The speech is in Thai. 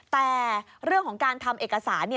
แต่เรื่องของการทำเอกสาร